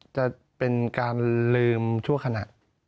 จะเป็นการลืมชั่วขณะ